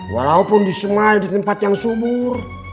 walaupun disemai di tempat yang sumur